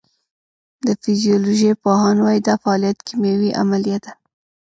د فزیولوژۍ پوهان وایی دا فعالیت کیمیاوي عملیه ده